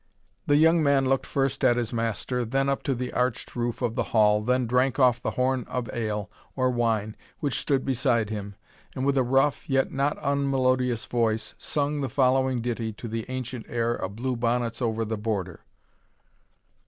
The young man looked first at his master, then up to the arched roof of the hall, then drank off the horn of ale, or wine, which stood beside him, and with a rough, yet not unmelodious voice, sung the following ditty to the ancient air of "Blue bonnets over the Border."